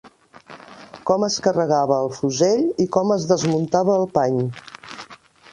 Com es carregava el fusell i com es desmuntava el pany